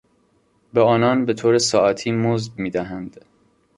به آنان به طور ساعتی مزد میدهند.